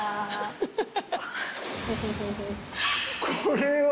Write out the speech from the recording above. これは。